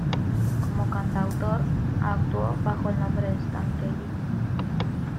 Como cantautor, actuó bajo el nombre de Stan Kelly.